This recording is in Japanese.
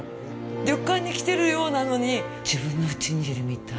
旅館が来ているようなのに自分のうちにいるみたい。